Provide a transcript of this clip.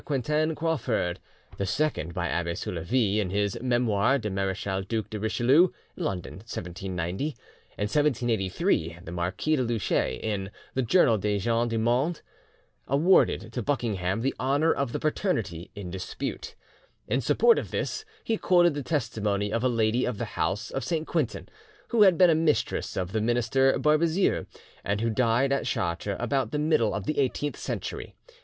Quentin Crawfurd; the second by Abbe Soulavie in his 'Memoires du Marechal Duc de Richelieu' (London, 1790). In 1783 the Marquis de Luchet, in the 'Journal des Gens du Monde' (vol. iv. No. 23, p. 282, et seq.), awarded to Buckingham the honour of the paternity in dispute. In support of this, he quoted the testimony of a lady of the house of Saint Quentin who had been a mistress of the minister Barbezieux, and who died at Chartres about the middle of the eighteenth century.